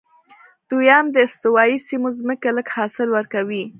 دویم، د استوایي سیمو ځمکې لږ حاصل ورکوي.